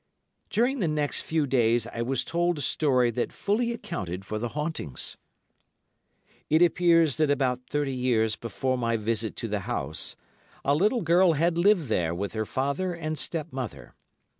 During the next few days I was told a story that fully accounted for the hauntings. It appears that about thirty years before my visit to the house a little girl had lived there with her father and step mother.